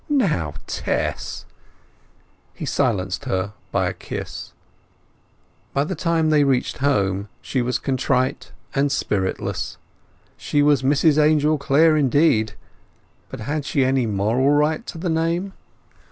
"Now, Tess!" He silenced her by a kiss. By the time they reached home she was contrite and spiritless. She was Mrs Angel Clare, indeed, but had she any moral right to the name?